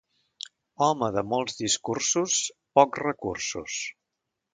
Home de molts discursos, pocs recursos.